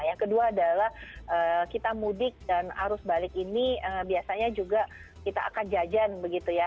yang kedua adalah kita mudik dan arus balik ini biasanya juga kita akan jajan begitu ya